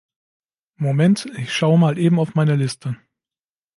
Moment, ich schaue mal eben auf meine Liste.